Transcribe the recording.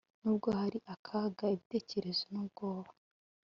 nubwo hari akaga, ibitekerezo, n'ubwoba